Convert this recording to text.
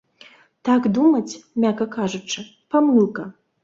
Так думаць, мякка кажучы, памылка.